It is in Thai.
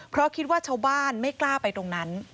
เพราะคิดว่าชาวบ้านไม่กล้าไปตรงนั้น